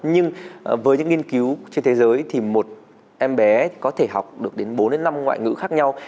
nhưng với những nghiên cứu trên thế giới thì một em bé có thể học được đến bốn đến năm ngoại ngữ khác nhau